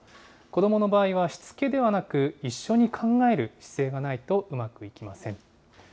子どもの場合はしつけではなく、一緒に考える姿勢がないとうまくいきません。